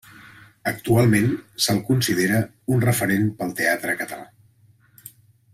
Actualment se'l considera un referent pel teatre català.